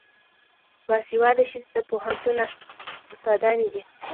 باسواده ښځې د پوهنتون استادانې دي.